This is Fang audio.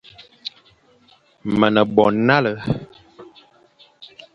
Me ne bo nale,